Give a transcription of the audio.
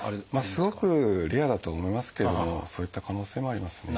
すごくレアだと思いますけれどもそういった可能性もありますね。